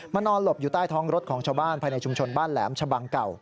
นอนหลบอยู่ใต้ท้องรถของชาวบ้านภายในชุมชนบ้านแหลมชะบังเก่า